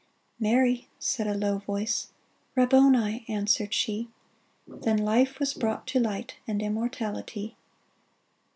*' Mary !" said a low voice ;" Rabboni !" answered she. Then Ufe was brought to light And immortality